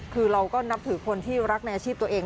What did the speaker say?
คือเราก็นับถือคนที่รักในอาชีพตัวเอง